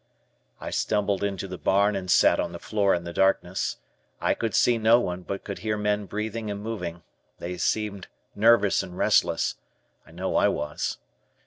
I stumbled into the barn and sat on the floor in the darkness. I could see no one but could hear men breathing and moving; they seemed nervous and restless. I know I was.